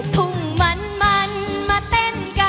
ก็จะมีความสุขมากกว่าทุกคนค่ะ